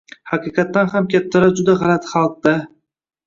«Haqiqatan ham, kattalar juda g‘alati xalq-da»